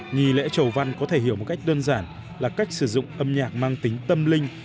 nghi lễ chầu văn có thể hiểu một cách đơn giản là cách sử dụng âm nhạc mang tính tâm linh